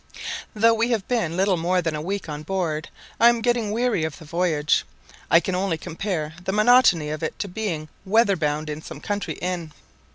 Though we have been little more than a week on board, I am getting weary of the voyage. I can only compare the monotony of it to being weather bound in some country inn.